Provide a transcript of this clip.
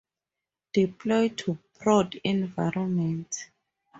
Deploy to prod environment